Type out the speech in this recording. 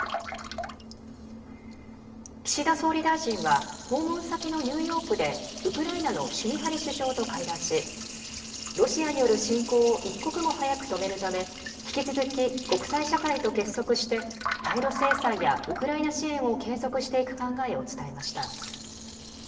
岸田総理大臣は訪問先のニューヨークでウクライナのシュミハリ首相と会談しロシアによる侵攻を一刻も早く止めるため引き続き国際社会と結束して対ロ制裁やウクライナ支援を継続していく考えを伝えました。